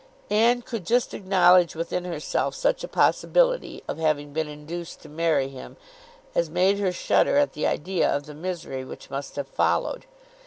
Anne could just acknowledge within herself such a possibility of having been induced to marry him, as made her shudder at the idea of the misery which must have followed.